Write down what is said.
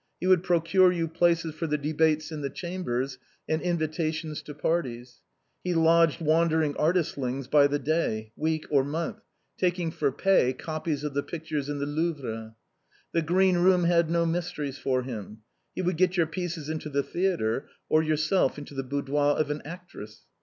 He would procure you places for the debates in the Cham bers, and invitations to parties. He lodged wandering artistlings by the day, week, or montli, taking for pay copies of the pictures in the Louvre. The green room had no mysteries for him. He would get your pieces into the theatre, or yourself into the boudoir of an actress.